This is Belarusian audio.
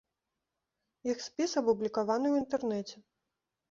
Іх спіс апублікаваны ў інтэрнэце.